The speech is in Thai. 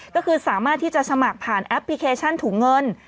ก็คือสามารถที่จะสมัครผ่านแอปพลิเคชันถุงเงิน